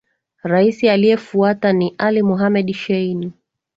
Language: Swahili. Rais aliyefuata ni Ali Mohamed Shein